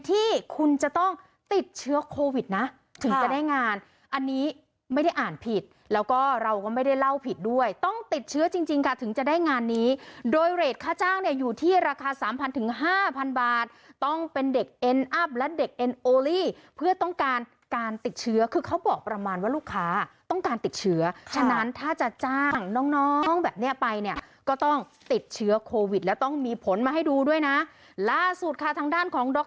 ที่คุณจะต้องติดเชื้อโควิดนะถึงจะได้งานอันนี้ไม่ได้อ่านผิดแล้วก็เราก็ไม่ได้เล่าผิดด้วยต้องติดเชื้อจริงจริงค่ะถึงจะได้งานนี้โดยเรทค่าจ้างเนี้ยอยู่ที่ราคาสามพันถึงห้าพันบาทต้องเป็นเด็กเอ็นอัพและเด็กเอ็นโอลี่เพื่อต้องการการติดเชื้อคือเขาบอกประมาณว่าลูกค้าต้องการติดเชื้อค่ะฉะนั้น